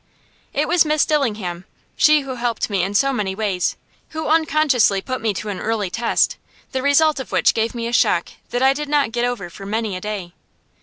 It was Miss Dillingham, she who helped me in so many ways, who unconsciously put me to an early test, the result of which gave me a shock that I did not get over for many a day.